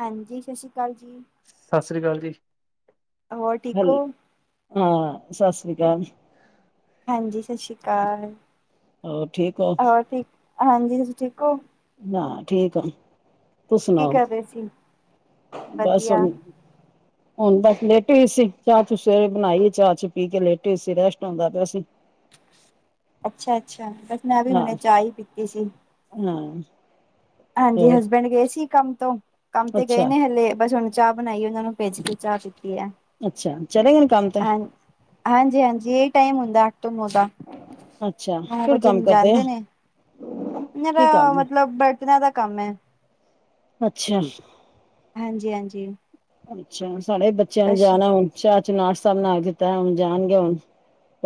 ਹਾਂਜੀ। ਸਤਿ ਸ੍ਰੀ ਅਕਾਲ ਜੀ। ਸਤਿ ਸ੍ਰੀ ਅਕਾਲ ਜੀ। ਔਰ ਠੀਕ ਹੈਲ ਹੋ। ਹਾਂ ਸਤਿ ਸ੍ਰੀ ਅਕਾਲ ਜੀ। ਹਾਂਜੀ ਸਤਿ ਸ਼੍ਰੀ ਅਕਾਲ। ਹੋਰ ਠੀਕ ਹੋ ਹੋਰ ਠੀਕ। ਹਾਂਜੀ ਤੁਸੀ ਠੀਕ ਹੋ। ਹਾਂ ਠੀਕ ਆ। ਤੂੰਸੀ ਕੀ ਸੁਣਾਓ ਕਰ ਰਹੇ ਸੀ ਬਸ ਵਧੀਆ ਹੁਣ। ਹੁਣ ਤਾਂ ਲੇਟੀ ਸੀ ਚਾਹ ਚ ਸਵੇਰੇ ਬਣਾਈ ਚਾਹ ਚ ਪੀ ਕੇ ਲੇਟੇ ਹੋਏ ਸੀ ਰੈਸਟ ਆਉਂਦਾ ਪਿਆ ਸੀ। ਅੱਛਾ-ਅੱਛਾ ਬਸ ਮੈਂ ਵੀ ਹਾਂ ਹੁਣੇ ਚਾਹ ਹੀ ਪੀਤੀ ਸੀ। ਹਾਂ। ਹਾਂਜੀ ਹੋਰ ਹਸਬੈਂਡ ਗਏ ਸੀ ਕੰਮ ਤੋਂ ਕੰਮ ਤੇ ਗਏ ਅੱਛਾ ਨੇ ਹਲੇ ਬਸ ਹੁਣ ਚਾਹ ਬਣਾਈ ਇਹਨਾਂ ਨੂੰ ਭੇਜ ਕੇ ਚਾਹ ਪੀਤੀ ਹੈ। ਅੱਛਾ ਚਲੇ ਗਏ ਕੰਮ ਤੇ ਹਾਂ ਹਾਂਜੀ, ਹਾਂਜੀ ਇਹ ਟਾਈਮ ਹੁੰਦਾ ਅੱਠ ਤੋਂ ਨੋ ਦਾ। ਅੱਛਾ ਨੋ ਕਿਹੜਾ ਵਜੇ ਕੰਮ ਕਰਦੇ ਆ ਜਾਦੇ ਨੇ ਇਹ ਕੀ ਤਾਂ ਕੰਮ ਹੈ ਮਤਲਬ ਬਰ ਦਾ ਕੰਮ ਹੈ। ਅੱਛਾ। ਹਾਂਜੀ, ਹਾਂਜੀ। ਅੱਛਾ ਸਾਡੇ ਬੱਚਿਆਂ ਨੂੰ ਬਸ ਜਾਣਾ ਹੁਣ ਚਾਹ ਨਾਸ਼ਤਾ ਬਣਾ ਕੇ ਦਿੱਤਾ ਹੁਣ ਜਾਣਗੇ ਹੁਣ।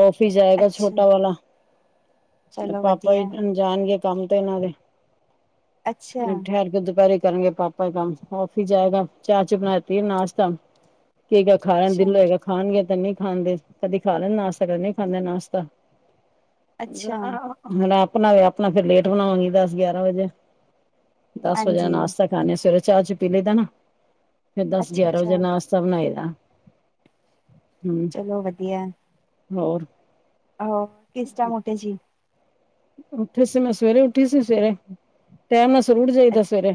ਆਫਿਸ ਜਾਏਗਾ ਅੱਛਾ ਛੋਟਾ ਵਾਲਾ ਚਲੋ ਪਾਪਾ ਵਧੀਆ ਜਾਣਗੇ ਕੰਮ ਤੇ ਇਹਨਾਂ ਦੇ ਅੱਛਾ ਠਹਿਰ ਕੇ ਦੁਪਹਿਰੀ ਕਰਨਗੇ ਕਮ ਕੰਮ ਅਫਿਸ ਜਾਏਗਾ ਚਾਹ ਚੂ ਬਣਾਤੀ ਹੈ ਨਾਸ਼ਤਾ ਕੀ ਖਾਏਗਾ ਅੱਛਾ ਦਿਲ ਹੋਏਗਾ। ਖਾਣਗੇ ਤਾਂ ਨਹੀਂ ਖਾਂਦੇ ਕਦੀ ਖਾ ਲੈਣ ਨਾਸ਼ਤਾ ਕਦੇ ਨਹੀਂ ਖਾਂਦੇ ਨਾਸ਼ਤਾ। ਅੱਛਾ ਨਾ ਆਪਣਾ ਵ ਆਪਣਾ ਫਿਰ ਲੇਟ ਬਣਾਵਾਂਗੀ ਦਸ ਗਿਆਰਾਂ ਵਜੇ। ਦਸ ਵਜੇ ਦਾ ਹਾਂਜੀ ਨਾਸ਼ਤਾ ਖਾਣੇ ਆ ਸਵੇਰੇ ਚਾਹ ਚ ਪੀਲੇ ਦਾ ਨਾ। ਫੇਰ ਦਸ ਅੱਛਾ ਗਿਆਰਾਂ ਅੱਛਾ ਵਜੇ ਨਾਸ਼ਤਾ ਬਣਾਏ ਦਾ। ਹਮ ਚਲੋ ਵਧੀਆ। ਹੋਰ ਹੋਰ ਕਿਸ ਟਾਈਮ ਉੱਠੇ ਸੀ। ਉੱਠੀ ਸੀ ਮੈਂ ਸਵੇਰੇ ਉੱਠੀ ਸੀ ਸਵੇਰੇ ਟਾਈਮ ਨਾਲ ਸੂਰੂੂਰ ਜਾਈਦਾ ਅੱਛਾ ਸਵੇਰੇ।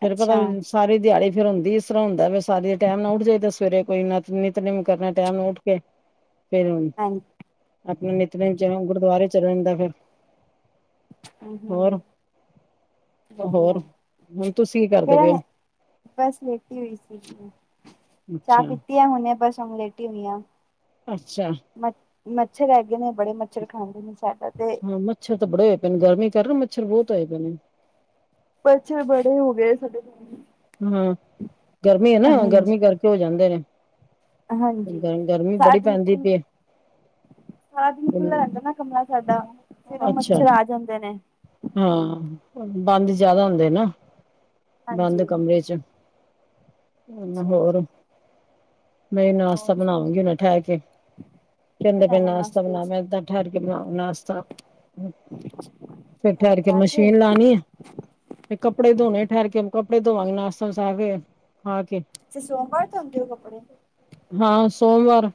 ਫੇਿਰ ਪਤਾ ਅੱਛਾ ਵੀ ਸਾਰੀ ਦਿਹਾੜੀ ਫਿਰ ਹੁੰਦੀ ਇਸ ਤਰ੍ਹਾਂ ਹੁੰਦਾ ਵੀ ਸਾਰੀ ਟਾਈਮ ਨਾ ਉੱਠ ਜਾਏ ਤੇ ਸਵੇਰੇ ਕੋਈ ਨ ਨਿਤਨੇਮ ਕਰਨਾ ਟਾਈਮ ਉੱਠ ਕੇ [unintelligible] ਫਿਰ ਹਾਂਜੀ ਆਪਣੇ ਨੇਿੱਤਨੇਮ ਚ ਗੁਰਦੁਆਰੇ ਚੱਲਣ ਦਾ ਫਿਰ ਹਮ ਹਮ ਹੋਰ ਵਧੀਆ। ਹੋਰ ਹੁਣ ਤੁਸੀਂ ਕੀ ਕਰਦੇ ਪਏ ਹੋ ਬਸ ਲੇਟੀ ਹੋਈ ਸੀ ਚਾਹ ਅੱਛਾ ਪੀਤੀ ਹੈ ਹੁਣੇ ਬਸ ਲੇਟੀ ਹੋਈ ਆ। ਅੱਛਾ। ਮ ਮੱਛਰ ਹੈਗੇ ਨੇ ਬੜੇ ਮੱਛਰ ਖਾਂਦੇ ਨੇ ਸਾਡਾ ਤੇ ਹਾਂ ਮੱਛਰ ਤਾਂ ਬੜੇ ਹੋਏ ਪਏ ਨੇ ਗਰਮੀ ਕਰ ਮੱਛਰ ਬਹੁਤ ਆਏ ਪਏ ਨੇ ਮੱਛਰ ਬੜੇ ਹੋ ਗਏ ਸਾਡੇ ਹਾਂ ਗਰਮੀ ਹੈ ਨਾ ਹਾਂਜੀ ਗਰਮੀ ਕਰਕੇ ਹੋ ਜਾਂਦੇ ਨੇ ਹਾਂਜੀ ਗਰ ਗਰਮੀ ਬੜੀ ਸਾਡੇ ਪੈਂਦੀ ਦੇਖੋ। ਪਈ ਸਾਰਾ ਦਿਨ ਖੁੱਲਾ ਹੈ। ਰਹਦਾ ਨਾ ਕਮਰਾ ਸਾਡਾ ਫਿਰ ਉਹ ਅੱਛਾ ਮੱਛਰ ਆ ਜਾਂਦੇ ਨੇ ਹਾਂ ਬੰਦ ਜਿਆਦਾ ਹੁੰਦੇ ਨਾ ਬੰਦ ਹਾਂਜੀ ਕਮਰੇ ਚ ਹਨ ਹੋਰ ਹਾਂਜੀ ਮੈਂ ਹੋਰ ਨਾਸ਼ਤਾ ਕੀ ਬਣਾਵਾਂਗੀ ਠਹਿਰ ਕੇ ਕਹਿੰਦੇ ਪ ਬਣਾਣਾ ਨਾਸ਼ਤਾ ਨਾਸ਼ਤੇ ਬਣਾ ਚ ਮੈਂ ਕੀ ਏਦਾਂ ਠੈਰ ਕੇ ਬਨਾਉ ਨਾਸਤਾ, ਫੇਰ ਬਣਾਣਾ ਠੈਰ ਕੇ ਪਰਾਂਠੇ ਮਸ਼ੀਨ ਲਾਨੀ ਏ। ਫ ਕੱਪੜੇ ਧੋਣੇ ਠਹਿਰ ਕੇ ਕੱਪੜੇ ਧੋਵਾਂਗੇ ਨਾਸ਼ਤਾਸਤਾ ਕੇ ਖਾ ਕੇ ਤੇ ਸੋਮਵਾਰ ਤੁੁੰਦੇ ਹੋ ਕੱਪੜੇ ਹਾਂ ਸੋਮਵਾਰ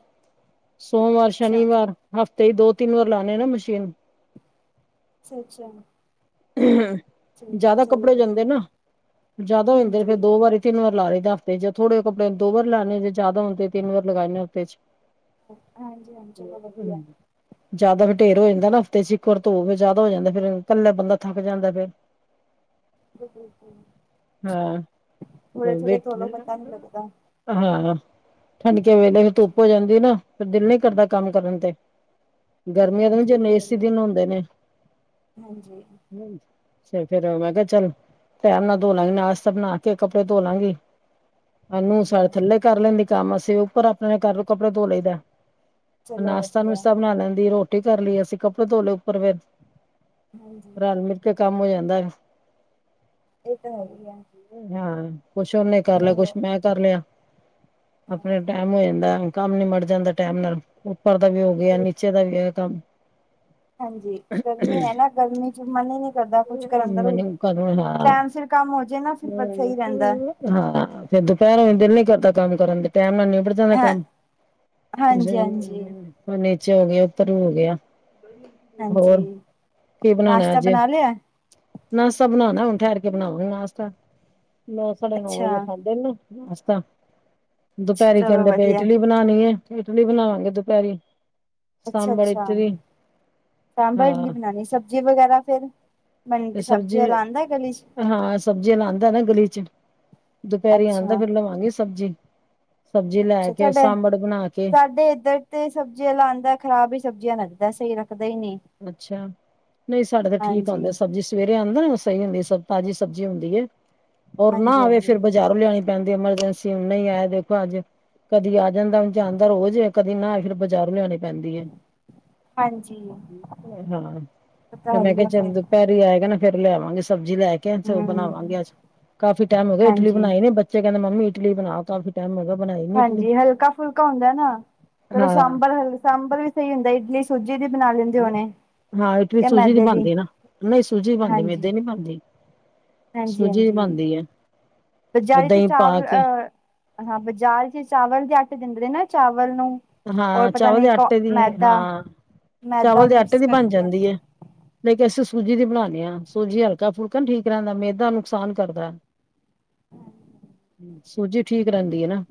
ਸੋਮਵਾਰ ਅੱਛਾ ਸ਼ਨੀਵਾਰ। ਹਫ਼ਤੇ ਹੀ ਦੋ ਤਿੰਨ ਵਾਰ ਲਾਉਣੇ ਨਾ ਮਸ਼ੀਨ। ਅੱਛਾ ਅੱਛਾ [unintelligible] ਜਿਆਦਾ ਕੱਪੜੇ ਹੋ ਜਾਂਦੇ ਵਧੀਆ ਨਾ ਜਿਆਦਾ ਹੋ ਜਾਂਦੇ ਹਾਂਜੀ ਫਿਰ ਦੋ ਵਾਰੀ ਤਿੰਨ ਵਾਰ ਲਾ ਲਈ ਹਫਤੇ ਜਾਂ ਥੋੜੇ ਕਪੜੇ ਦੋ ਵਾਰੀ ਲਾ ਲਈ ਜੇ ਜ਼ਿਆਦਾ ਹੌਣ ਤੇ ਤਿੰਨ ਵਾਰ ਲਗਾਏਣੇ ਹਫ਼ਤੇ ਚ ਹਾਂਜੀ ਹਾਂਜੀ ਚਲੋ ਵਧੀਆ [unintelligible] ਜ਼ਿਆਦਾ ਵੀ ਡੇਰ ਹੋ ਜਾਂਦਾ ਨਾ ਹਫ਼ਤੇ ਚ ਇੱਕ ਵਾਰ ਧੋ ਕੇ ਜ਼ਿਆਦਾ ਹੋ ਜਾਂਦਾ, ਫੇਰ ਇਕੱਲਾ ਬੰਦਾ ਥੱਕ ਜਾਂਦਾ ਫਿਰ। ਥੋੜੇ ਹਾਂ, ਥੋੜੇ ਧੋਲੋ ਪਤਾ ਨੀ ਲੱਗਦਾ ਹਾਂ ਠੰਡਕੇ ਵੇਲੇ ਫਿਰ ਧੁੱਪ ਹੋ ਜਾਂਦੀ ਨਾ। ਫਿਰ ਦਿਲ ਨੀ ਕਰਦਾ ਕੰਮ ਕਰਨ ਤੇ ਗਰਮੀਆਂ ਦੇ ਵੀ ਹਾਂਜੀ ਇਹ ਜਨ ਤੇ ਹੈ ਏਸੀ ਹੀ ਹੈ ਦਿਨ ਹੁੰਦੇ ਨੇ। ਹਾਂਜੀ। ਚ ਫੇਰ ਮੈਂ ਕਿਹਾ ਚੱਲ ਪੈਰ ਨਾਲ ਧੋ ਲਾਂਗੇ ਨਾਸ਼ਤਾ ਬਣਾ ਕੇ ਕੱਪੜੇ ਧੋ ਲਾਂਗੀ। ਆਨੂੰ ਹਾਂਜੀ ਸਾਡੇ ਹਾਂਜੀ ਥੱਲੇ ਕਰ ਲੈਂਦੀ ਕੰਮ ਅਸੀਂ ਉੱਪਰ ਆਪਣੇ ਕਰ ਲ ਕੱਪੜੇ ਧੋ ਲਈ ਦਾ ਚਲੋ ਵਧੀਆ ਨਾਸ਼ਤਾ-ਨੁਸ਼ਤਾ ਬਣਾ ਲੈਂਦੀ ਰੋਟੀ ਕਰ ਲਈ ਅਸੀਂ ਕੱਪੜੇ ਤੋਲੇ ਉੱਪਰ ਫਿਰ ਹਾਂਜੀ ਰਲ ਮਿਲ ਕੇ ਕੰਮ ਹੋ ਜਾਂਦਾ। ਇਹ ਤਾਂ ਹੈਗੀ ਆ। ਹਾਂ ਕੁਛ ਉਹਨੇ ਕਰ ਲਿਆ, ਕੁਛ ਮੈਂ ਕਰ ਲਿਆ ਆਪਣੇ ਟੈਮ ਹੋ ਜਾਂਦਾ। ਕੰਮ ਨਿਮੜ ਜਾਂਦਾ ਟਾਈਮ ਨਾਲ, ਉੱਪਰ ਦਾ ਵੀ ਹੋ ਗਿਆ ਨੀਚੇ ਦਾ ਵੀ ਹੈਗਾ ਕੰਮ। ਹਾਂਜੀ, ਗਰਮੀ ਹੈ ਨਾ ਗਰਮੀ ਮਨ ਹੀ ਨਹੀਂ ਕਰਦਾ ਕੁਛ ਕਰਨ ਦਾ ਵੀ ਮੈਨੂੰ ਕਦੋਂ ਹਾਂ ਟੈਮ ਸਿਰ ਫਿਰ ਕੰਮ ਹੋਜੇ ਨਾ ਫਿਰ ਸਹੀ ਰਹਿੰਦਾ। ਹਾਂ ਫਿਰ ਦੁਪਹਿਰੇ ਵੀ ਦਿਲ ਨੀ ਕਰਦਾ ਕੰਮ ਕਰਨ ਦੀ ਟੈਮ ਨਾਲ ਨਿਬੜ ਦਾ ਹਾਂ ਕੰਮ ਹਾਂਜੀ ਹਾਂਜੀ ਫੇਰ ਨੀਚੇ ਹੋਇਆ, ਉੱਪਰ ਹੋ ਗਿਆ ਹਾਂਜੀ ਹੋਰ ਕੀ ਬਣਾਉਣਾ ਨਾਸ਼ਤਾ ਅੱਜ? ਬਣਾ ਲਿਆ ਨਾਸਤਾ ਬਨਾਨੈ ਹੁਨ ਠੈਰ ਕੇ ਬਨਾਵਾ ਗੀ ਨਾਸਤਾ, ਨੌ- ਸਾਢੇ ਨੌ ਅੱਛਾ ਵਜੇ ਖਾਂਦੇ ਨਾ ਅਸ ਤਾਂ ਦੁਪੈਰੇ ਚਲੋ ਕੈੰਦੇ ਪਏ ਵਧੀਆ ਇਟਲੀ ਬਣਾਨੀ ਏ ਇਟਲੀ ਬਣਾਵਾਂਗੇ ਦੁਪੈਰੀ। ਅੱਛਾ-ਅੱਛਾ ਸਾਂਬਰ ਇਡਲੀ ਹਾਂ ਬਣਾਉਣੀ ਸਭ ਸਬਜ਼ੀ ਵਗੈਰਾ ਫੇਰ ਬ ਸਬਜ਼ੀ ਆਲਾ ਆਦਾ ਗਲੀ ਚ, ਹਾਂ ਸਬਜ਼ੀਆਂ ਲਾਦਾ ਨਾ ਗਲੀ ਚ ਦੁਪਹਿਰੀ ਆਦਾ ਅੱਛਾ ਫਿਰ ਲਵਾਂਗੀ ਸਬਜ਼ੀ। ਸਬਜ਼ੀ ਲੈ ਅੱਛਾ ਕੇ ਤੁਹਾਡੇ ਸਾਂਬੜ ਬਣਾ ਕੇ, ਸਾਡੇ ਇੱਧਰ ਤੇ ਸਬਜ਼ੀਆਂ ਆਦਾ ਖਰਾਬ ਹੀ ਸਬਜ਼ੀਆਂ ਲਗਦਾ, ਸਹੀ ਰੱਖਦਾ ਹੀ ਨੀ। ਅੱਛਾ, ਨਹੀਂ ਸਾਡੇ ਤਾਂ ਠੀਕ ਆਦੀ ਸਬਜ਼ੀ ਸਵੇਰੇ ਆਦਾ ਨਾ ਉਹ ਸਹੀ ਹੁੰਦੀ ਸਭ ਤਾਜ਼ੀ ਸਬਜ਼ੀ ਹੁੰਦੀ ਹੈ, ਔਰ ਨਾ ਹਾਂਜੀ ਆਵੇ ਫਿਰ ਹਾਂਜੀ ਬਾਜ਼ਾਰ ਲਿਆਉਣੀ ਪੈਂਦੀ ਐਮਰਜੈਂਸੀ ਨਹੀ ਆਇਆ ਦੇਖੋ, ਅੱਜ ਕਦੀ ਆ ਜਾਂਦਾ ਓਝ ਆਦਾ ਰੋਜ਼ ਕਦੀ ਨਾ ਫਿਰ ਬਾਜ਼ਾਰ ਲਿਆਉਣੀ ਪੈਂਦੀ ਆ। ਹਾਂਜੀ, ਹਾਂ ਤੇ ਪਤਾ ਮੈਂ ਹੀ ਕਿਹਾ ਆ ਚਲ ਫਿਰ ਦੁਪਹਿਰ ਆਏਗਾ ਨਾ ਫੇਰ ਲਿਆਵਾਂਗੇ, ਸਬਜ਼ੀ ਲੈ ਕੇ ਉਹ ਬਣਾਵਾਂਗੇ ਹਮ ਅ ਕਾਫੀ ਟਾਈਮ ਹੋ ਇਟਲੀ ਹਾਂਜੀ ਬਣਾਈ ਨੀ ਬ ਬੱਚੇ ਕਹਿੰਦੇ ਮੰਮੀ ਇਟਲੀ ਬਣਾ ਕਾਫੀ ਟਾਈਮ ਹੋ ਗਿਆ ਬਣਾਈ ਨਹੀਂ। ਹਾਂਜੀ, ਹਲਕਾ-ਫੁਲਕਾ ਹੁੰਦਾ ਨਾ ਚਲੋ ਹਾਂ ਸਾਂਬਰ ਹਲ ਸਾਂਬਰ ਵੀ ਸਹੀ ਹੁੰਦਾ ਇਡਲੀ ਸੂਜੀ ਦੀ ਬਣਾ ਲੈਂਦੇ ਹੋਣੇ। ਹਾਂ ਇਟਲੀ ਜਾਂ ਸੂਜੀ ਦੀ ਮੈਦੇ ਬਣਦੀ ਨਾ ਨਹੀਂ ਸੂਜੀ ਬਣਦੀ ਮੇਦੇ ਨੀ ਬਣਦੀ ਸੂਜੀ ਦੀ ਹਾਂਜੀ-ਹਾਂਜੀ ਬਣਦੀ ਐ ਉਹ ਬਜਾਰੀ ਤੇ ਦਹੀਂ ਪਾ ਚਾਵਲ ਕੇ ਅਹ ਹਾਂ ਬਾਜ਼ਾਰ ਚ ਚਾਵਲ ਦੇ ਆਟੇ ਦਿੰਦੇ ਨੇ ਨਾ ਚਾਵਲ ਨੂੰ। ਔਰ ਹਾਂ ਪਤਾ ਚਾਵਲ ਨਹੀਂ ਦੇ ਕ ਆਟੇ ਦੀ ਮੈਦਾ ਹਾਂ, ਮੈਦਾ ਚਾਵਲ ਦੇ ਆਟੇ ਮਿਕਸ ਦੀ ਬਣ ਕਰਕੇ ਜਾਂਦੀ ਹੈ। ਲੇਕਿ ਅਸੀਂ ਸੂਜੀ ਦੀ ਬਣਾਉਂਦੇ ਹਾਂ, ਸੂਜੀ ਹਲਕਾ ਫੁਲਕਾ ਠੀਕ ਰਹਿੰਦਾ, ਮਿਹ ਦਾ ਨੁਕਸਾਨ ਕਰਦਾ। [unintelligible] ਸੂਜੀ ਠੀਕ ਰਹਿੰਦੀ ਹੈ ਨਾ,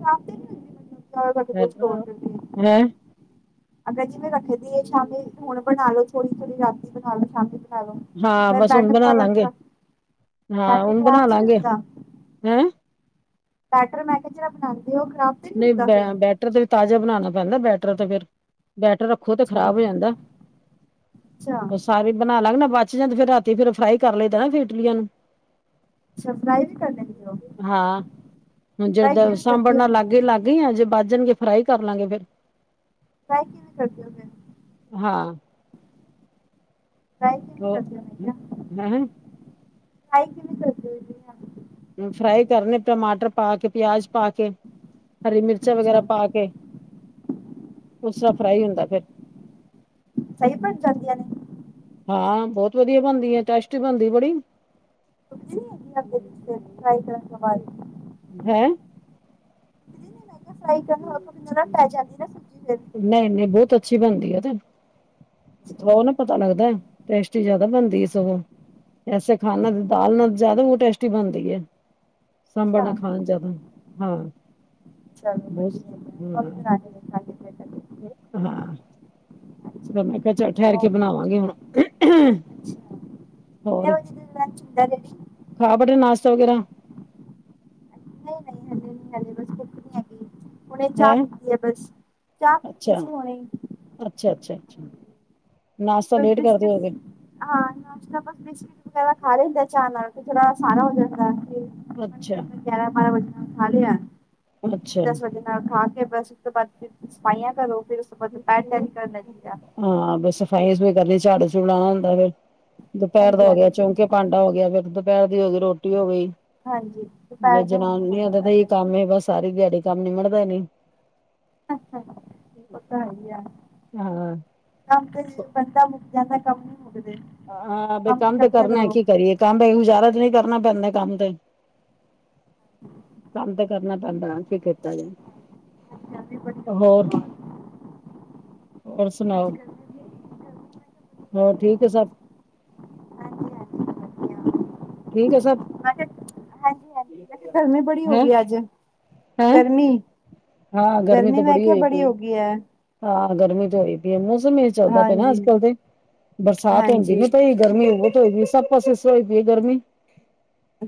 ਮਤਲਬ ਸਾਡੇ ਦੋਸਤ ਹੋ ਜਾਂਦੇ ਆ। ਹੈਂ ਅਗਰ ਜਿਵੇਂ ਰੱਖਦੀਏ ਸ਼ਾਮ ਹੁਣ ਬਣਾਲੋ ਥੋੜੀ-ਥੋੜੀ ਰਾਤੀ ਬਣਾਲੋ ਸ਼ਾਮੀ ਹਾਂ ਬਸ ਹੁਣ ਬੈਡਾ-ਬੈਡ ਬਣਾ ਲਾਂਗੇ ਖ਼ਰਾਬ ਹੀ ਨੀ ਹੁੰਦਾ। ਹੂੰ, ਬੈਟਰ ਮੈਂ ਕੇ ਜੇਹੜਾ ਬਣਾਉਂਦੇ ਹੋ ਤੇ ਨਹੀਂ ਹੁੰਦਾ ਬੈ ਫਿਰ ਬੈਟਰ ਤੇ ਵੀ ਤਾਜ਼ਾ ਬਣਾਉਣਾ ਪੈਂਦਾ ਬੈਟਰ ਤੇ ਫੇਰ ਬੈਟਰ ਰੱਖ। ਅੱਖੋ ਤੇ ਅੱਛਾ ਖ਼ਰਾਬ ਹੋ ਜਾਂਦਾ ਏ, ਅੱਛਾ ਦ ਸਾਰੇ ਬਣਾ ਲਾਂਗੇ ਨਾ, ਬਚ ਜਾਨ ਤੇ ਫੇਰ ਰਾਤੀ ਫਿਰ ਉਹ ਫਰਾਈ ਕਰ ਲਇਦਾ ਨਾ, ਫਿਰ ਇਟਲੀਆਂ ਨੂੰ। ਅੱਛਾ ਫਰਾਈ ਵੀ ਕਰ ਲੈਂਦੇ ਹੋ ਹਾਂ, ਹੁਣ ਫਰਾਈ ਜਦ ਕਿਵੇਂ ਸਾਂਭਣ ਕਰਦੇ ਹੋ ਨਾਲ ਲੱਗ ਅੱਗੇ ਲੱਗ ਗਈਆ ਏ, ਜੇ ਬਜ ਜਾਣਗੇ, ਫਰਾਈ ਕਰ ਲਾਂਗੇ ਫੇਰ। ਫਰਾਈ ਕਿਵੇਂ ਕਰਦੇ ਹੋ ਫੇਰ? ਹਾਂ। ਫਰਾਈ ਕਿਵੇਂ ਹੋਰ, ਕਰਦੇ ਹੋ ਮੈਂ ਕਿਹਾ ਹੂੰ-ਹੂੰ। ਫਰਾਈ ਕਿਵੇਂ ਕਰਦੇ ਔ ਜਿਵੇੰ ਫਰਾਈ ਕਰਨੇ, ਟਮਾਟਰ ਪਾ ਕੇ, ਪਿਆਜ ਪਾ ਕੇ। ਹਰੀ ਮਿਰਚਾਂ ਅੱਛਾ ਵਗੈਰਾ ਅੱਛਾ ਪਾ ਕੇ। ਉਸ ਤਰ੍ਹਾਂ ਫਰਾਈ ਹੁੰਦਾ ਫਿਰ। ਸਹੀ ਬਣ ਜਾਂਦੀਆਂ ਨੇ? ਹਾਂ, ਬਹੋਤ ਵਧੀਆ ਬਣਦੀ ਹੈ। ਟੈਸਟ ਬਣਦੀ ਬੜੀ। ਟੁਟਦੀ ਨੀ ਹੈਗੀ ਆ [unintelligible] ਫਰਾਈ ਕਰਨ ਤੋਂ ਬਾਅਦ? ਹੈਂ? ਸੁੱਕਦੀ ਨੀ ਮੈਂ ਫਰਾਈ ਕਰਨ ਬਾਅਦ [unintelligible] ਨਾਲ ਟੇਹ ਜਾਂਦੀ ਨਾ ਸਬਜ਼ੀ ਫਿਰ। ਨਹੀਂ-ਨਹੀਂ ਬਹੋਤ ਅੱਛੀ ਬਣਦੀ ਏ ਉਹ ਤੇ। ਉਪਰੋ ਨੀ ਪਤਾ ਲੱਗਦਾ, ਟੇਸਟੀ ਜਿਆਦਾ ਬਣਦੀ ਏ ਸਗੋਂ। ਐਸੇ ਖਾਣ ਨਾਲ, ਦਾਲ ਨਾਲ ਜ਼ਿਆਦਾ ਉਹ ਟੇਸਟੀ ਬਣਦੀ ਐ। ਸਾਂਬਰ ਅੱਛਾ ਨਾਲ ਖਾਣ ਜ਼ਿਆਦਾ, ਹਾਂ। ਚਲੋ ਬਹੁਤ ਵਧੀਆ ਈ ਏ ਉਹ ਵੀ ਹਾਂ ਬਨਾਣੀ। ਹਾਂ। ਹਾਂਜੀ ਅੱਛਾ ਫਿਰ ਮੈਂ ਕੇਆ ਚਲ ਠਹਿਰ ਕੇ ਕਿੰਨੇ ਬਣਾਵਾਂਗੇ ਹੁਣ। ਕਿੰਨੇ ਹੋਰ ਵਜੇ ਲੰਚ ਹੁੰਦਾ ਦੀਦੀ? ਖਾ ਬੈਠੇ ਨਾਸ਼ਤਾ ਵਗੈਰਾ। ਨਈ-ਨਈ ਹਜੇ ਬਸ ਭੁੱਖ ਨੀ ਹੈਗੀ, ਹੁਣੇ ਚਾਹ ਹੈਂ ਪੀਤੀ ਹੈ ਬਸ, ਚਾਹ ਪੀਤੀ ਸੀ ਹੁਣੇ ਈ। ਅੱਛਾ-ਅੱਛਾ-ਅੱਛਾ, ਨਾਸ਼ਤਾ ਬਸ ਲੇਟ ਕਰਦੇ ਬਿਸਕਿਟ ਹੋਗੇ? ਹਾਂ ਨਾਸ਼ਤਾ, ਬਸ ਬਿਸਕੀਟ ਵੈਗੇਰਾ ਖਾ ਲਈਦਾ ਚਾਹ ਨਾਲ, ਤੇ ਥੋੜਾ ਅਸਾਰਾ ਹੋ ਜਾਂਦਾ ਏ। ਅੱਛਾ। ਗਿਆਰਾਂ ਬਾਰਾਂ ਵਜੇ ਨਾਲ ਖਾ ਲਿਆ। ਅੱਛਾ ਦਸ ਵਜੇ ਨਾਲ ਖਾ ਕੇ, ਬਸ ਉਸ ਤੋਂ ਬਾਅਦ ਫਿਰ ਸਫਾਈਆਂ ਕਰੋ। ਫੇਰ ਉਸ ਕਰਨੇ ਜੀ ਜਾ [unintelligible] ਹਾਂ ਬਸ ਸਫਾਈਆ ਸਫੂਈਆ ਕਰ ਲੀ, ਝਾੜੂ ਝੂੜੂ ਲਾਣਾ ਹੁੰਦਾ ਫੇਰ ਦੁਪਹਿਰ ਹਾਂਜੀ ਦਾ ਹੋ ਗਿਆ, ਹਾਂਜੀ ਚੌਂਕੇ ਠੀਕ, ਭਾਂਡਾ ਹੋ ਗਿਆ, ਫਿਰ ਦੁਪਹਿਰ ਦੀ ਹੋ ਗਈ, ਰੋਟੀ ਹੋ ਗਈ। ਹਾਂਜੀ ਬ ਦੁਪਹਿਰ ਦਾ ਹੁਣ ਹੋ ਜਨਾਨਿਆਂ ਦਾ ਜਾਂਦਾ ਤੇ ਇਹ ਫਿਰ ਕੰਮ ਹੈ, ਬਸ ਸਾਰੀ ਦਿਆੜੀ ਕੰਮ ਨਿਮੜਦਾ ਨਹੀਂ। ਉਹ ਤਾਂ ਹੈ ਈ ਆ। ਹਾਂ। ਕੰਮ ਤੇ ਜ ਬੰਦਾ ਮੁੱਕ ਜਾਂਦਾ, ਕੰਮ ਨਈ ਮੁੱਕਦੇ। ਹਾਂ ਬਈ ਵੀ ਕੰਮ ਤੇ ਕਰਦੇ ਕਰਨਾ ਏ, ਰਹੋ। ਕੀ ਕਰੀਏ? ਕੰਮ ਬਿਨਾਂ ਗੁਜ਼ਾਰਾ ਤੇ ਨਹੀਂ, ਕਰਨਾ ਪੈਂਦਾ ਕੰਮ ਤੇ। ਕੰਮ ਤੇ ਕਰਨਾ ਪੈਂਦਾ ਏ, ਕੀ ਕੀਤਾ ਜਾਏ? ਅੱਜ ਗਰਮੀ ਬੜੀ ਹੋ ਗਈ ਹੈ ਹੋਰ, ਬਹੁਤ ਹੋਰ ਅੱਜ ਸੁਣਾਓ? ਗਰਮੀ ਗਰਮੀ ਮੈਂ ਹੋਰ ਠੀਕ ਕਿਹਾ ਏ ਬੜੀ ਹੋ ਗਈ ਸਭ? ਹੈ। ਹਾਂਜੀ ਹਾਂਜੀ ਵਧੀਆ ਮੈਂ ਕਿਹਾ ਹਾਂਜੀ ਠੀਕ ਹੈ ਸੱਬ? ਹਾਂਜੀ-ਹਾਂਜੀ, ਮੈਂ ਕਿਹਾ ਗਰਮੀਂ ਬੜੀ ਹੋ ਹੈਂ ਗਈ ਅੱਜ? ਹੈਂ ਗਰਮੀ, ਹਾਂ ਗਰਮੀ ਤਾਂ ਮੈਂ ਕਿਆ ਹੋਈ ਬੜੀ ਪਈ ਹੋ ਗਈ ਹੈ। ਹਾਂ ਗਰਮੀ ਤੇ ਹੋਈ ਪਈ ਹੈ। ਮੌਸਮ ਚੱਲਦਾ ਪਿਆ ਨਾ ਹਾਂਜੀ ਅੱਜ ਕੱਲ ਤੇ, ਬਰਸਾਤ ਹੁੰਦੀ ਹਾਂਜੀ ਨਈ ਪਈ, ਗਰਮੀ ਬੋਤ ਹੋਈਦੀ, ਸਬ ਬਸ [unintelligible] ਹੋਈ ਪਈ ਏ ਗਰਮੀ।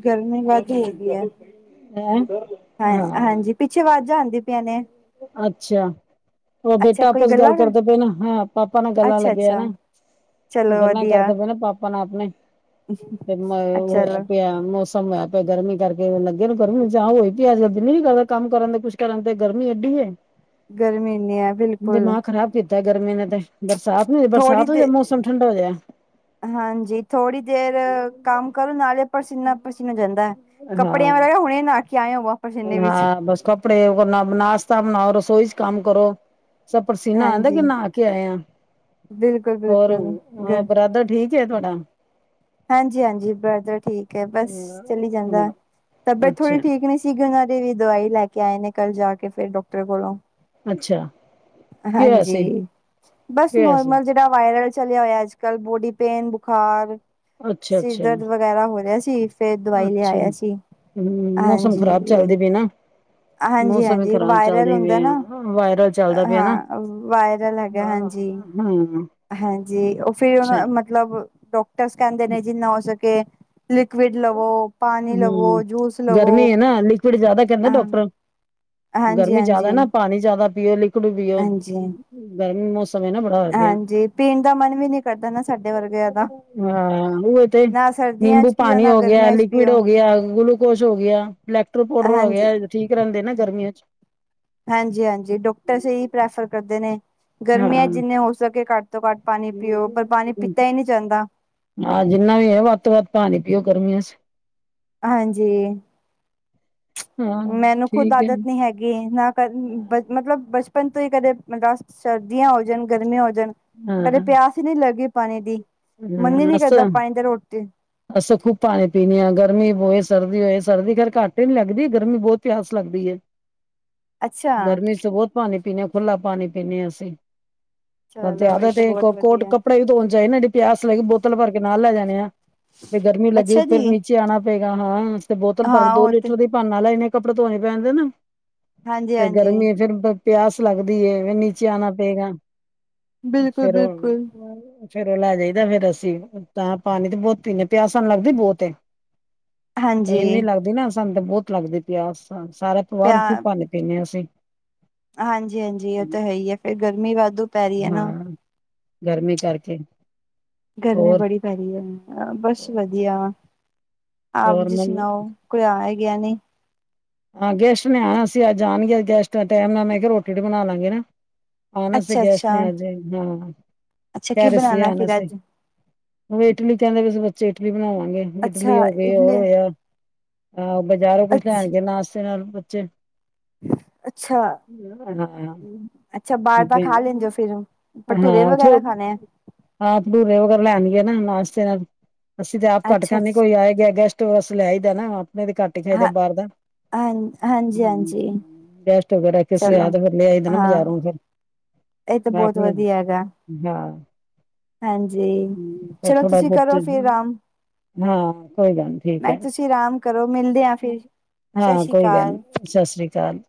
ਗਰਮੀ ਵਾਦੁ ਹੋਈ ਦੀ ਏ। ਹੈਂ? ਹੈਂ? ਹਾਂ ਹਾਂਜੀ, ਪਿੱਛੇ ਆਵਾਜ਼ਾ ਜਾਂਦੀ ਅੱਛਾ। ਉਹ ਅੱਛਾ ਬੇਟਾ ਕੋਈ ਆਪਸ ਗੱਲ ਗੱਲਾਂ ਕਰ ਕਰਦੇ ਪਏ ਨਾ ਹਾਂ। ਪਾਪਾ ਨਾਲ ਗੱਲਾਂ ਅੱਛਾ ਲੱਗਿਆ ਨਾ। ਅੱਛਾ ਚਲੋ ਗੱਲਾਂ ਵਧੀਆ ਕਰਦੇ ਪਏ ਨਾ ਪਾਪਾ ਨਾ ਆਪਣੇ। ਤੇ ਸਮ ਚਲੋ ਹੋਇਆ ਪਏ ਗਰਮੀ ਕਰਕੇ ਲੱਗੇ ਨੂੰ ਗਰਮੀ ਜਾਂ ਹੋਏ ਪਈ ਅੱਜ - ਕੱਲ ਦਿ ਵੀ ਕਰਦਾ ਕੰਮ ਕਰਨ ਦੇ ਕੁੱਛ ਕਰਨ। ਤੇ ਗਰਮੀਂ ਐਡੀ ਹੈ। ਗਰਮੀ ਇੰਨੀ ਹੈ ਬਿਲਕੁਲ ਦਿਮਾਗ ਖ਼ਰਾਬ ਕੀਤਾ ਗਰਮੀਂ ਨੇ ਤੇ। ਬਰਸਾਤ ਨੂੰ ਹੋ ਜਾ ਥੋੜ੍ਹੀ ਬਰਸਾਤ ਹੋ ਜਾਏ। ਦੇ ਮੌਸਮ ਠੰਡਾ ਹੋ ਜਾਏ। ਹਾਂਜੀ ਥੋੜ੍ਹੀ ਦੇਰ ਕੰਮ ਕਰੋ। ਨਾਲੇ ਪਸੀਨਾ ਪਸੀਨ ਹੋ ਜਾਂਦਾ। ਕੱਪੜਿਆਂ ਹਾਂ ਵਗੈਰਾ ਹੁਣੇ ਨਹਾ ਕੇ ਆਏ ਹਾਂ। ਵਾਪਸ ਇੰਨੇ ਵਿੱਚ ਕਪੜੇ ਵਗੈਰਾ ਨਾਸ਼ਤਾ ਬਣਾਓ ਰਸੋਈ ਚ' ਕੰਮ ਕਰੋ। ਪਸੀਨਾ ਆਂਦਾਂ ਕਿ ਹਾਂਜੀ ਨਹਾ ਕੇ ਆਈਆਂ। ਬਿਲਕੁਲ ਹੋਰ ਬਿਲਕੁਲ ਗ ਬ੍ਰਦਰ ਠੀਕ ਤੁਹਾਡਾ। ਹਾਂਜੀ - ਹਾਂਜੀ ਬੱਸ ਠੀਕ ਹੈ। ਬੱਸ ਚਲੀ ਜਾਂਦਾ ਤਬੀਅਤ ਅੱਛਾ ਥੋੜੀ ਠੀਕ ਨਹੀਂ। ਦਿਨਾਂ ਦੀ ਵੀ ਦਵਾਈ ਲੈ ਕੇ ਆਏ ਨੇ ਕੱਲ ਜਾ ਕੇ ਫਿਰ ਡਾਕਟਰ ਕੋਲੋਂ। ਅੱਛਾ। ਕੀ ਹੋਇਆ ਸੀ ਹਾਂਜੀ ਬੱਸ ਕੀ ਹੋਇਆ ਸੀ? ਨੋਰਮਲ ਜੇ ਵਾਇਰਲ ਚੱਲਿਆ ਹੋਇਆ। ਅੱਜ ਕੱਲ ਬੋਡੀ ਪੇਨ ਬੁਖ਼ਾਰ ਅੱਛਾ ਸਿਰ ਅੱਛਾ ਦਰਦ ਵਗੈਰਾ ਹੋ ਰਿਹਾ ਸੀ। ਫਿਰ ਦਵਾਈ ਲਿਆ ਅੱਛਾ ਆਇਆ ਸੀ। ਹੂੰ ਮੌਸਮ ਖ਼ਰਾਬ ਹਾਂਜੀ ਚੱਲਦੇ ਪਏ ਨਾ। ਹਾਂਜੀ - ਮੌਸਮ ਵੀ ਹਾਂਜੀ ਇੱਕ ਖ਼ਰਾਬ ਵਾਇਰਲ ਚੱਲਦੇ ਹੁੰਦਾ ਪਏ ਨਾ ਆ ਵਾਇਰਲ ਚੱਲਦਾ ਪਿਆ ਹਾਂ। ਵਾਇਰਲ ਹੋਗਿਆ ਹਾਂਜੀ। ਹਮ। [unintelligible] ਹਾਂਜੀ। ਉਹ ਫਿਰ ਉਹਨਾਂ ਮਤਲੱਬ ਡਾਕਟਰਸ ਕਹਿੰਦੇ ਨੇ। ਜਿੰਨਾ ਹੋ ਸਕੇ ਲਿਕੁਿਡ ਲਵੋ ਪਾਣੀ ਲਵੋ ਹਮ ਜੂਸ ਲਵੋ ਗਰਮੀਂ ਹੈ ਨਾ। ਲਿਕਵਿਡ ਜਿਆਦਾ ਕਹਿੰਦਾ ਹਾਂ ਡਾਕਟਰ। ਹਾਂਜੀ ਗਰਮੀਂ ਹਾਂਜੀ ਜਿਆਦਾ ਨਾ। ਪਾਣੀ ਜਿਆਦਾ ਪੀਓ ਲਿਕਵਿਡ ਪੀਓ ਹਾਂਜੀ ਗਰਮੀਂ ਮੌਸਂਮ ਹੈ। ਨਾ ਬੜਾ ਹੋ ਗਿਆ ਹਾਂ। ਹਾਂਜੀ ਪੀਣ ਦਾ ਮਨ ਵੀ ਨੀ ਕਰਦਾ ਨਾ ਸਾਡੇ ਵਰਗਿਆਂ ਦਾ ਉਹ ਤੇ ਨਾ ਸਰਦੀਆਂ ਨਿੰਬੂ ਚ ਪੀਓ ਪਾਣੀ ਨਾ ਹੋ ਗਿਆ। ਗਰਮੀਆਂ ਚ ਲਿਕਵਿਡ ਪੀਓ ਹੋ ਗਿਆ ਗੁਲੂਕੋਜ਼ ਹੋ ਗਿਆ। ਇਲੈਕਟਰ੍ਰੋਪੋਡਰ ਹੋ। ਹਾਂਜੀ ਗਿਆ ਠੀਕ ਰਹਿੰਦਾ। ਤੇ ਨਾ ਗਰਮੀਂਆਂ ਚ'। ਹਾਂਜੀ - ਹਾਂਜੀ। ਡਾਕਟਰ ਹੀ ਪ੍ਰੈਫਰ ਕਰਦੇ ਨੇਂ। ਹਾਂ ਗਰਮੀਂਆਂ ਜਿੰਨੇ ਹੋ ਸਕੇ ਘੱਟ ਤੋਂ ਘੱਟ ਪਾਣੀ ਪੀਓ। ਪਰ ਪਾਣੀ ਪੀਤਾ ਹੀ ਨਹੀਂ ਜਾਂਦਾ। ਹਾਂ ਜਿੰਨਾ ਵੀ ਹੈ। ਵੱਧ ਤੋਂ ਵੱਧ ਪਾਣੀ ਗਰਮੀਂਆਂ ਚ'। ਹਾਂਜੀ। ਹਾਂ ਮੈਨੂੰ ਖੁੱਦ ਠੀਕ ਹੈ ਆਦਤ ਨੀ ਹੈਗੀ ਨਾ ਮਤਲੱਬ। ਬੱਚਪਨ ਤੋਂ ਹੀ ਕਦੇ ਮਤਲੱਬ ਸਰਦੀਆਂ ਹੋ। ਗਰਮੀਂਆਂ ਹੋ ਜਾਣ ਹਾਂ ਕਦੇ ਪਿਆਸ ਨੀ ਲੱਗਗੀ ਪਾਣੀ ਦੀ ਮੰਨੀ ਨੀ ਕਰਦਾ। ਪਾਣੀ ਦੇ ਰੋਟੀ ਤੇ ਅਸੀਂ ਖੂਬ ਪਾਣੀ ਪੀਣੀ ਆ। ਗਰਮੀਂ ਹੋਏ ਸਰਦੀ ਹੋਏ। ਸਰਦੀ ਖੈਰ ਘੱਟ ਹੀ ਨੀ ਲੱਗਦੀ। ਗਰਮੀਂ ਬਹੁਤ ਪਿਆਸ ਲੱਗਦੀ ਹੈ। ਅੱਛਾ ਗਰਮੀਂ ਚੱ ਬਹੁਤ ਪਾਣੀ ਪੀਣੇ ਹਾਂ। ਖੁੱਲਾ ਪਾਣੀ ਪੀਂਦੇ ਹਾਂ ਅਸੀਂ। ਤੁਹਨੂ ਤੇ ਚਲੋ ਇਹ ਜਿਆਦਾ ਤਾਂ ਬਹੁਤ ਕੋਟ ਵਧੀਆ ਕੱਪੜਾ ਵੀ ਧੋਣ ਜਾਏਨਾਂ। ਪਿਆਸ ਲਗ ਬੋਤਲ ਭਰ ਕੇ ਨਾਲ ਲੈ ਜਾਣੇ ਆ। ਫਿਰ ਗਰਮੀ ਲੱਗੀ ਅੱਛਾ ਫਿਰ ਜੀ ਨੀਚੇ ਆਉਣਾ ਪਏਗਾ ਹਾਂ। ਤੇ ਬੋਤਲ ਭਰ ਕੇ। ਹਾਂ ਦੋ ਉਹ ਤੇ ਲੀਟਰ ਦੀ ਭਰਨ ਲਾਣੇ ਕੱਪੜੇ ਧੋਣੇ ਪੈਣਦੇ ਨੇ। ਫਿਰ ਹਾਂਜੀ-ਹਾਂਜੀ ਗਰਮੀ ਫਿਰ ਪਿਆਸ ਲੱਗਦੀ। ਫਿਰ ਨੀਚੇ ਆਉਣਾ ਪਏਗਾ ਫੇਰ। ਬਿਲਕੁਲ-ਬਿਲਕੁਲ ਫੇਰ ਉਹ ਲੈ ਜਾਈਦਾ। ਫੇਰ ਅਸੀਂ ਤਾਂ ਪਾਣੀ ਤੇ ਬਹੁਤ ਪੀਦੇ ਹੈ। ਪਿਆਸ ਸਾਨੂੰ ਲੱਗਦੀ ਬਹੁਤ ਅੇ। ਇੰਨੂ ਹਾਂਜੀ ਲੱਗਦੀ ਨਾਂ ਸਾਨੂੰ ਤਾਂ ਬਹੁਤ ਲੱਗਦੀ। ਪਿਆਸ, ਸਾਰਾ ਪਰਿਵਾਰ ਖੂਬ ਪਾਣੀ। ਪੀਨ ਹਾਂ ਅਸੀਂ। ਹਾਂਜੀ - ਹਾਂਜੀ। ਉਹ ਤਾਂ ਹੈ ਹੀ ਹੈ ਫੇਰ ਗਰਮੀ ਵਾਧੂ ਪੈ ਰਹੀ ਹੈ ਨਾ। ਗਰਮੀਂ ਕਰਕੇ। ਗਰਮੀਂ ਹੋਰ ਬੜੀ ਪੈ ਰਹੀ ਹੈ। ਬੱਸ ਵਧੀਆ ਆਪ ਹੋਰ ਜੀ ਮੰਮ ਸੁਣਾਓ। ਕੋਈ ਆਇਆ ਗਿਆ ਨਹੀਂ। ਹਾਂ ਗੈਸਟ ਨੇ ਆ। ਅਸੀਂ ਅੱਜ ਜਾਣਗੇ ਗੈਸਟ ਦਾ ਟਾਈਮ ਨਾਲ ਮੈਂ ਕਿਹਾ ਰੋਟੀ ਰੋਟੀ ਬਣਾ ਲਾਂਗੇ ਨਾਂ। ਆਣਾ ਸੀ ਅੱਛਾ ਗੈਸਟ ਅੱਛਾ ਨੇ ਹਜੇ ਹਾਂ। ਅੱਛਾ ਕਹਿ ਕੀ ਰਹੇ ਸੀ ਬਣਾਣਾ ਆਣਾ ਫਿਰ ਸੀ। ਅੱਜ ਇਟਲੀ ਕਹਿੰਦੇ ਪਏ। ਬੱਚੇ ਇਟਲੀ ਬਣਾਵਾਂਗੇ ਇਟਲੀ ਅੱਛਾ ਹੋ ਗਏ ਹੋਰ ਇਡਲੀ ਹੋਇਆ। ਆਹੋ। ਬਜ਼ਾਰੋਂ ਕੁੱਛ ਅੱਛ ਲੈਣਆਗੇ ਨਾਸ਼ਤੇ ਨਾਲ ਬੱਚੇ। ਅੱਛਾ, ਅੱਛਾ ਬਾਰ ਠੀਕ ਦਾ ਹੈ, ਖਾ ਲੈਂਦੇ ਓ ਫਿਰ ਹੂਨ? ਭਟੂਰੇ ਵਗੈਰਾ ਖਾਨੇ ਐ? ਆ ਭਟੂਰੇ ਵਗੈਰਾ ਲੈਨ ਗਏ ਨਾ ਨਾਸ਼ਤੇ ਨਾਲ, ਅਸੀ ਤੇ ਆਪ ਘਾੱਟ ਅੱਛਾ ਖਾਂਨੇ, ਅੱਛਾ ਕੋਈ ਆਏ ਗੇਆ ਗੈਸਟ ਟ ਵੱਸੇ ਲੈ ਆਈ ਦਾ ਨਾ, ਆਪਨੇ ਤੇ ਘਾੱਟ ਈ ਖਾਈ ਦਾ ਹਾਂ ਬਾਰ ਦਾ। ਹਾਂ ਹਾਂਜੀ ਹੂੰ, ਹਾਂਜੀ ਗੈਸਟ ਵਗੈਰਾ ਕਿਸੇ ਚਲੋ ਹੈ, ਤੇ ਫੇਰ ਲੇ ਆਈਦੈ ਨਾ ਬਜਾਰੋਂ ਫੇਰ। ਏ ਤੇ ਬੋਤ ਵਦੀਆ ਹੈਗਾ। ਹਾਂ, ਹਾਂਜੀ ਹੂੰ ਫੇਰ ਚਲੋ ਥੋੜਾ ਤੁਸੀਂ ਕਰੋ ਬੋਤੇ ਫਿਰ ਹੂੰ ਹਾਂ, ਕੋਈ ਗਾੱਲ ਨੀ। ਠੀਕ ਨਈ ਹੈ ਤੂਸੀ ਅਰਾਮ ਕਰੋ ਮਿਲਦੇ ਆਂ ਫਿਰ। ਸਤਿ ਹਾਂ, ਸ਼੍ਰੀ ਕੋਈ ਗਾੱਲ ਅਕਾਲ ਨੀ ਸਸ੍ਰੀ ਕਾਲ।